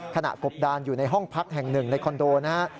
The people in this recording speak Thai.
กบดานอยู่ในห้องพักแห่งหนึ่งในคอนโดนะฮะ